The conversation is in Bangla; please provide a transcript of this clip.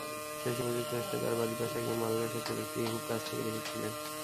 শৈশবে, যুক্তরাষ্ট্রে তাঁর বাড়ির পাশে একজন মাদকাসক্ত ব্যক্তিকে খুব কাছ থেকে দেখেছিলেন।